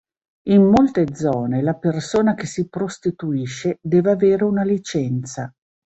In molte zone la persona che si prostituisce deve avere una licenza.